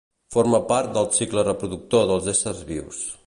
Forma part del cicle reproductor dels éssers vius.